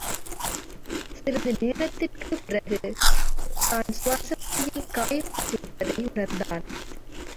சிறிது நேரத்திற்குப் பிறகு தான் சுவாசப்பையில் காயம் பட்டிருப்பதை உணர்ந்தான்.